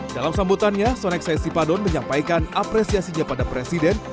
dalam sambutannya sonexai sipadon menyampaikan apresiasinya pada presiden